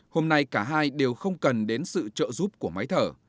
hôm nay cả hai đều không cần đến sự trợ giúp của máy thở